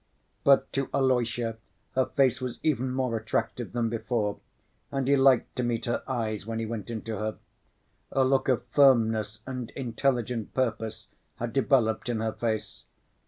But to Alyosha her face was even more attractive than before, and he liked to meet her eyes when he went in to her. A look of firmness and intelligent purpose had developed in her face.